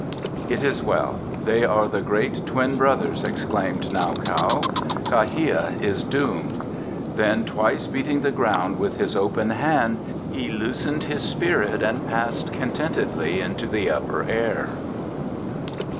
"It is well; they are the great twin brothers," exclaimed Nau Kaou. "Kha hia is doomed!" Then twice beating the ground with his open hand he loosened his spirit and passed contentedly into the Upper Air.